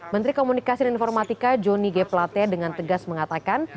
menteri komunikasi dan informatika johnny g plate dengan tegas mengatakan